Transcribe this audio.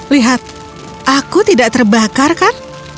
lihat aku tidak terbakar kan